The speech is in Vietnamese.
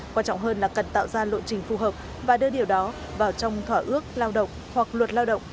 quan trọng hơn là cần tạo ra lộ trình phù hợp và đưa điều đó vào trong thỏa ước lao động hoặc luật lao động